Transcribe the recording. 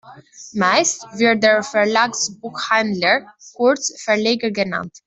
Meist wird der Verlagsbuchhändler kurz Verleger genannt.